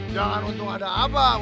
jangan untung ada abang